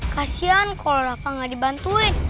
kasian kalo rafa gak dibantuin